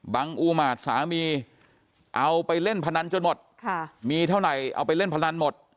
อูมาตรสามีเอาไปเล่นพนันจนหมดมีเท่าไหร่เอาไปเล่นพนันหมด